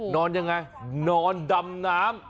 นอนยังไงนอนดำน้ำ